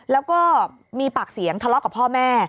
แล้วก็มีปากเสียงทะเลาะกับพ่อแม่